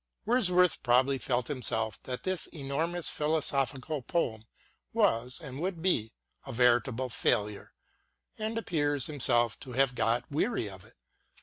Wordsworth probably felt WORDSWORTH AS A TEACHER 107 himself that this enormous philosophical poem was, and would be, a veritable failure, and appears himself to have got weary of it.